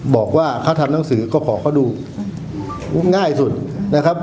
บอกว่าเขาทำหนังสือก็ขอเขาดูง่ายสุดนะครับ